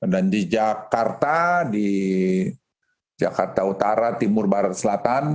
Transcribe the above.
dan di jakarta di jakarta utara timur barat selatan